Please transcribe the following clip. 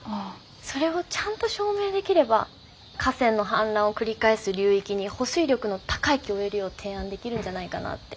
それをちゃんと証明できれば河川の氾濫を繰り返す流域に保水力の高い木を植えるよう提案できるんじゃないかなって。